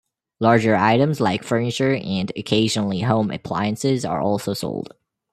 Larger items like furniture and occasionally home appliances are also sold.